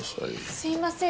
すいません